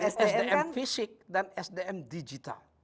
sdm fisik dan sdm digital